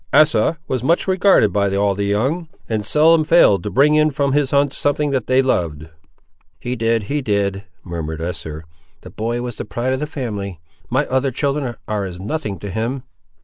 "Asa was much regarded by all the young; and seldom failed to bring in from his hunts something that they loved." "He did, he did," murmured Esther; "the boy was the pride of the family. My other children are as nothing to him!"